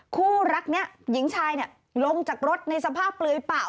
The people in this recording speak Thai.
คู่รักนี้หญิงชายลงจากรถในสภาพเปลือยเปล่า